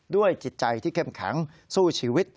จิตใจที่เข้มแข็งสู้ชีวิต